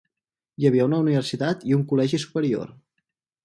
Hi ha una universitat i un col·legi superior.